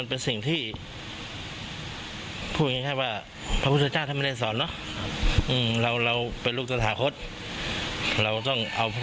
ดีจริงค่ะ